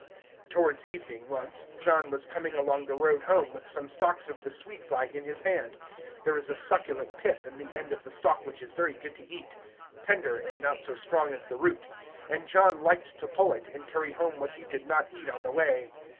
Towards evening, once, John was coming along the road home with some stalks of the sweet flag in his hand; there is a succulent pith in the end of the stalk which is very good to eat, tender, and not so strong as the root; and John liked to pull it, and carry home what he did not eat on the way.